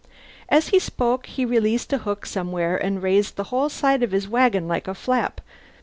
As he spoke he released a hook somewhere, and raised the whole side of his wagon like a flap.